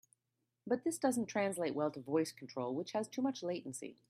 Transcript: But this doesn't translate well to voice control, which has too much latency.